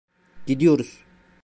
Gidiyoruz.